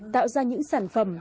tạo ra những sản phẩm